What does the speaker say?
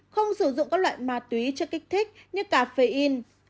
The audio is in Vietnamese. không sử dụng các loại ma túy chưa kích thích như caffeine